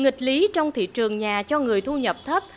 nghịch lý trong thị trường nhà cho người thu nhập thấp